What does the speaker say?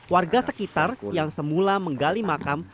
warga sekitar yang semula menggali makam